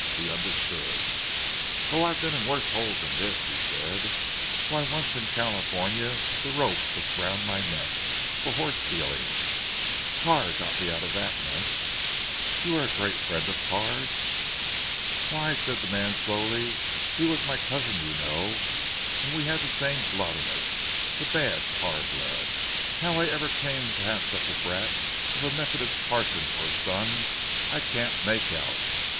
He understood, "Oh, I've been in worse holes than this," he said, "why once in California the rope was round my neck for horse stealing. Carr got me out of that mess." "You were a great friend of Carr's?" "Why," said the man slowly, "he was my cousin you know, and we had the same blood in us the bad Carr blood. How I ever came to have such a brat of a Methodist parson for a son I can't make out.